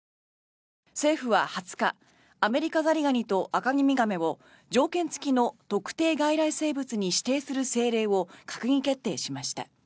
政府は２０日アメリカザリガニとアカミミガメを条件付きの特定外来生物に指定する政令を閣議決定しました。